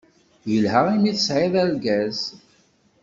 Yelha imi tesɛiḍ argaz.